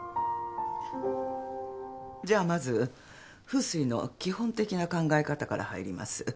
じゃあまず風水の基本的な考え方から入ります。